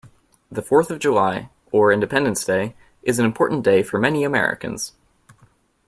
The fourth of July, or Independence Day, is an important day for many Americans.